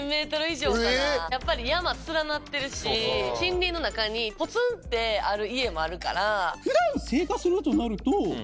やっぱり山連なってるし森林の中にぽつんってある家もあるから。